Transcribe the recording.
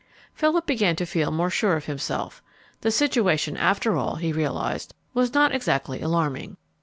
Philip began to feel more sure of himself. The situation, after all, he realized, was not exactly alarming.